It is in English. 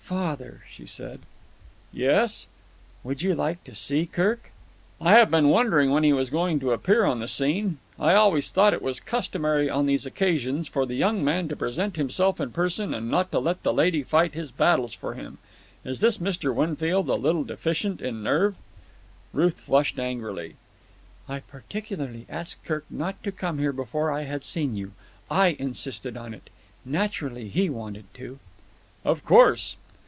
"Father," she said. "Yes?" "Would you like to see Kirk?" "I have been wondering when he was going to appear on the scene. I always thought it was customary on these occasions for the young man to present himself in person, and not let the lady fight his battles for him. Is this Mr. Winfield a little deficient in nerve?" Ruth flushed angrily. "I particularly asked Kirk not to come here before I had seen you. I insisted on it. Naturally, he wanted to." "Of course!"